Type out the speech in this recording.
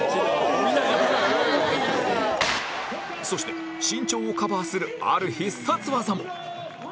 そして身長をカバーするある必殺技も